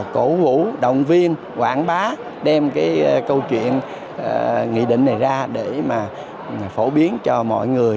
cổ vũ động viên quảng bá đem cái câu chuyện nghị định này ra để mà phổ biến cho mọi người